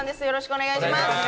よろしくお願いします。